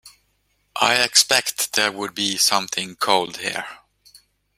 I expect there would be something cold there.